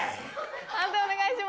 判定お願いします。